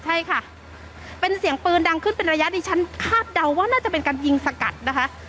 ใช่ค่ะเป็นเสียงปืนดังขึ้นเป็นระยะดิฉันคาดเดาว่าน่าจะเป็นการยิงสกัดนะคะ